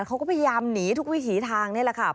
เขาก็พยายามหนีทุกวิถีทางนี่แหละค่ะ